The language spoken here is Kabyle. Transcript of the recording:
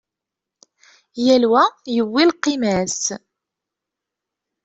Yal wa yewwi lqima-s.